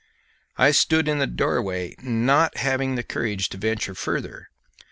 I stood in the doorway, not having the courage to venture further.